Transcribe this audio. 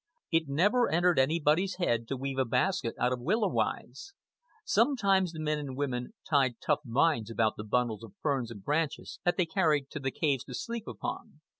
It never entered anybody's head to weave a basket out of willow withes. Sometimes the men and women tied tough vines about the bundles of ferns and branches that they carried to the caves to sleep upon.